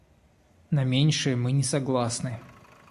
На меньшее мы не согласны.